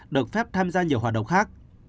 được phép tham gia nhiều hoạt động khác